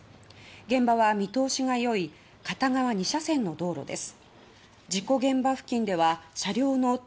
現場は見通しが良い片側２車線の道路です。